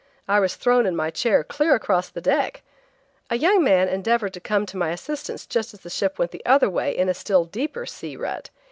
I was thrown in my chair clear across the deck. A young man endeavored to come to my assistance just as the ship went the other way in a still deeper sea rut.